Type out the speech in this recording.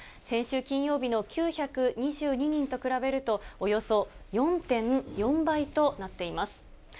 先週金曜日の９２２人と比べると、およそ４．４倍となっています。